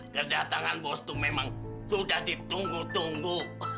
kedatangan bos tuh memang sudah ditunggu tunggu